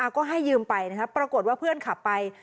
ก็ให้ยืมไปนะครับปรากฏว่าเพื่อนขับไป